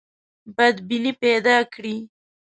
بدبیني پیدا کړي.